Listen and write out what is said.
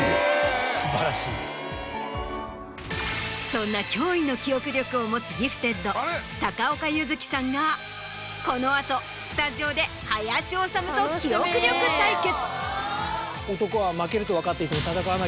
そんな驚異の記憶力を持つギフテッド高岡柚月さんがこの後スタジオで林修と記憶力対決。